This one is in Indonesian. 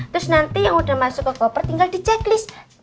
terus nanti yang udah masuk ke koper tinggal di checklist